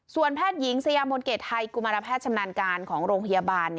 แพทย์หญิงสยามนเกรดไทยกุมารแพทย์ชำนาญการของโรงพยาบาล